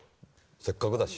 せっかくだし。